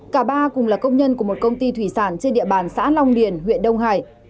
cả ba cùng là công nhân của một công ty thủy sản trên địa bàn xã long điền huyện đông hải